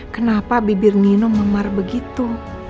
kenapa bibir minum memar begitu